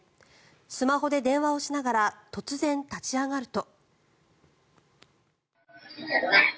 スマホで電話をしながら突然、立ち上がると。